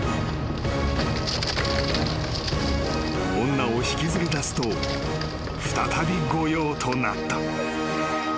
［女を引きずりだすと再び御用となった］